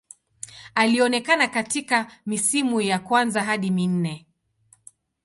Alionekana katika misimu ya kwanza hadi minne.